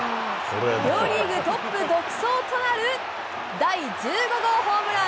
両リーグトップ独走となる第１５号ホームラン。